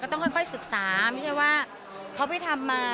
ต้องค่อยศึกษาไม่ใช่ว่าเขาไปทำมา